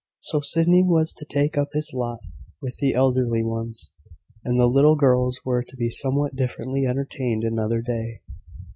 So Sydney was to take up his lot with the elderly ones, and the little girls were to be somewhat differently entertained another day.